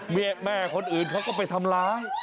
แม่คนอื่นเขาก็ไปทำร้าย